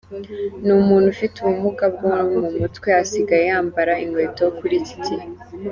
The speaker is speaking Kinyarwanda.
N’umuntu ufite ubumuga bwo mu mutwe asigaye yambara inkweto kuri iki gihe.